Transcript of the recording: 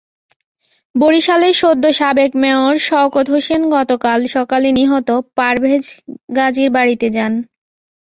বরিশালের সদ্য সাবেক মেয়র শওকত হোসেন গতকাল সকালে নিহত পারভেজ গাজীর বাড়িতে যান।